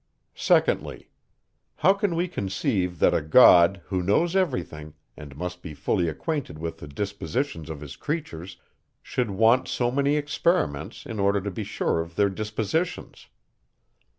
2ndly. How can we conceive that a God, who knows every thing, and must be fully acquainted with the dispositions of his creatures, should want so many experiments, in order to be sure of their dispositions?